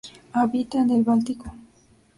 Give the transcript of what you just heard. Habita en el Báltico.